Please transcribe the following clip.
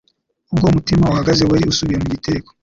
Ubwo umutima uhagaze wari usubiye mu gitereko,